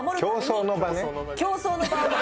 「競争の場」ね。